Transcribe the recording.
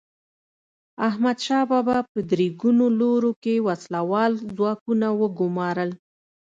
احمدشاه بابا په درې ګونو لورو کې وسله وال ځواکونه وګمارل.